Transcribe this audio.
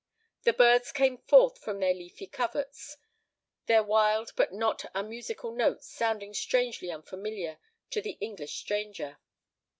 The birds came forth from their leafy coverts, their wild but not unmusical notes sounding strangely unfamiliar to the English stranger.